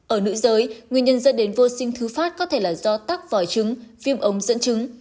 ở nữ giới nguyên nhân dẫn đến vô sinh thứ phát có thể là do tắc vòi trứng phim ống dẫn chứng